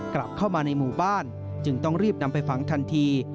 กลับเข้ามาในหมู่บ้านจึงต้องรีบนำไปฝังทันที